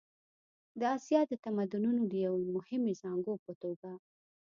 د اسیا د تمدنونو د یوې مهمې زانګو په توګه.